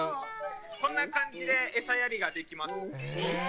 こんな感じで餌やりができます。